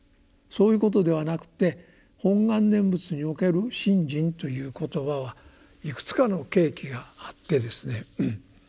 そういうことではなくて「本願念仏」における信心という言葉はいくつかの契機があってですね